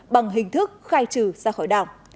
bằng hình thức khai trừ ra khỏi đảng